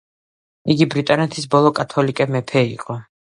იგი ბრიტანეთის ბოლო კათოლიკე მეფე იყო.